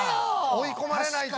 追い込まれないと。